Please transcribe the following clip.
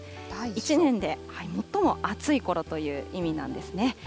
一年で最も暑いころという意味なんですね。